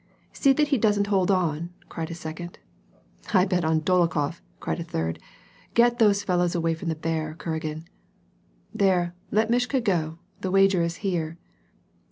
" See that he doesn't hold on," cried a second. "I bet on Dolokhof," cried a third, "Get those fellows away from the bear, Kuragin." " There, let Mishka go, the wager is here."